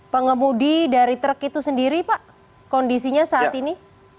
pengemudi dari truk itu sendiri pak kondisinya saat ini